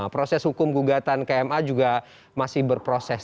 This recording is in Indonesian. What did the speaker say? proses hukum gugatan kma juga masih berproses